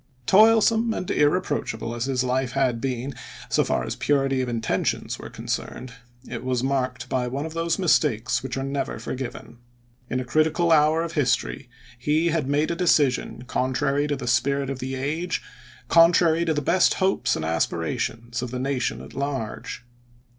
Toilsome and irreproachable as his life had been, so far as purity of intentions were concerned, it was marked by one of those mistakes which are never forgiven. In a critical hour of his tory he had made a decision contrary to the spirit of the age, contrary to the best hopes and aspirations of the nation at large.